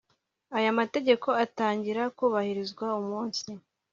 Aya mategeko atangira kubahirizwa umunsi